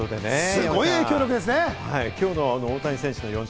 すごい影響力ですね。